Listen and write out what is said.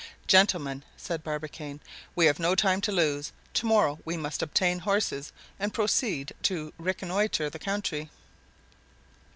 "Gentlemen," said Barbicane, "we have no time to lose; tomorrow we must obtain horses, and proceed to reconnoiter the country."